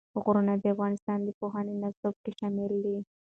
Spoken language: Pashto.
غرونه د افغانستان د پوهنې نصاب کې شامل دي.